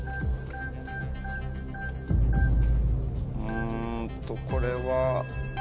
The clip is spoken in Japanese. うんとこれは。